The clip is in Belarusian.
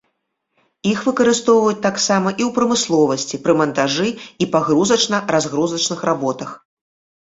Іх выкарыстоўваюць таксама і ў прамысловасці пры мантажы і пагрузачна-разгрузачных работах.